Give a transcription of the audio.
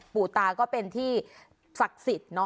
ปู่ตาก็เป็นที่ศักดิ์สิทธิ์เนอะ